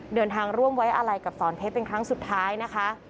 เดินทางร่วมไว้อะไรกับสอนเพชรเป็นครั้งสุดท้ายนะคะ